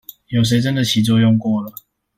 有誰真的起作用過了